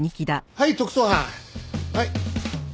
はい。